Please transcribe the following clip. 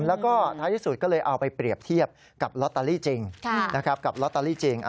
แล้วก็ท้ายที่สุดก็เลยเอาไปเปรียบเทียบกับลอตเตอรี่จริง